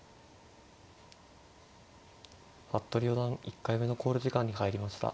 服部四段１回目の考慮時間に入りました。